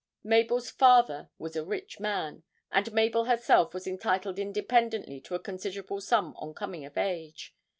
Mabel's father was a rich man, and Mabel herself was entitled independently to a considerable sum on coming of age.